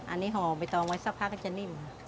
อันนี้ห่อใบตองไว้สักพักก็จะนิ่ม